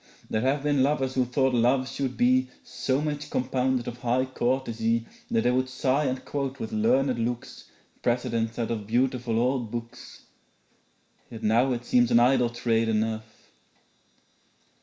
There have been lovers who thought love should be So much compounded of high courtesy That they would sigh and quote with learned looks Precedents out of beautiful old books; Yet now it seems an idle trade enough.'